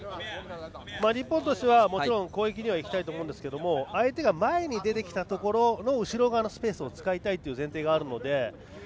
日本としては攻撃にはいきたいと思うんですけど相手が前に出てきたところの後ろ側のスペースを使いたいという前提があるので。